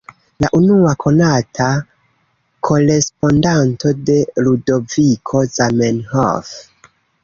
La unua konata korespondanto de Ludoviko Zamenhof.